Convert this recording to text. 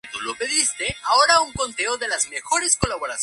Nativa del sudeste de Brasil, Uruguay, norte de Argentina.